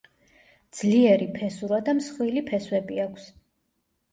ძლიერი ფესურა და მსხვილი ფესვები აქვს.